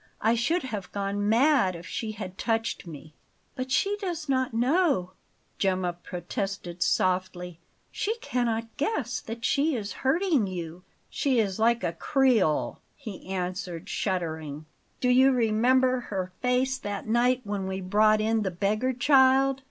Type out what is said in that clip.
I should have gone mad if she had touched me!" "But she does not know," Gemma protested softly. "She cannot guess that she is hurting you." "She is like a Creole," he answered, shuddering. "Do you remember her face that night when we brought in the beggar child?